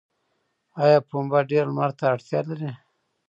آیا پنبه ډیر لمر ته اړتیا لري؟